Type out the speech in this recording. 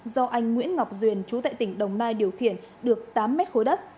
do anh nguyễn ngọc duyền chú tại tỉnh đồng nai điều khiển được tám mét khối đất